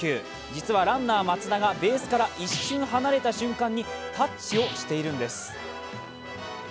実はランナー・松田がベースから一瞬離れた瞬間にタッチをしているんです。